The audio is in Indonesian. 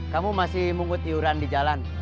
kamu masih mungut iuran di jalan